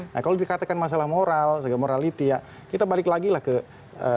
nah kalau dikatakan masalah moral segala morality ya kita balik lagi ke case nya